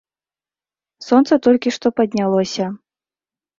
Сонца толькі што паднялося.